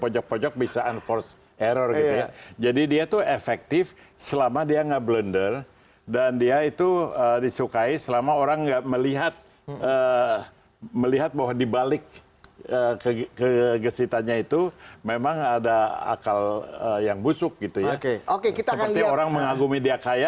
jokowi dan sandi